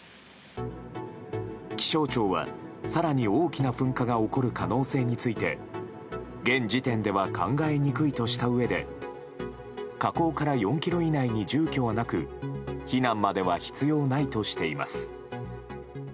気象庁は更に大きな噴火が起こる可能性について現時点では考えにくいとしたうえで火口から４ｋｍ以内に住居はなく避難までは必要ないとしています。